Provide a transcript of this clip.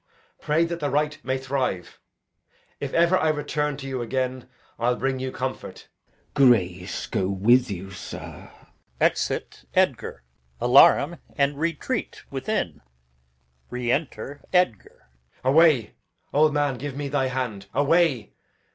Pray that the right may thrive. If ever I return to you again, I'll bring you comfort. Glou. Grace go with you, sir! Exit [Edgar]. Alarum and retreat within. Enter Edgar, Edg. Away, old man! give me thy hand! away!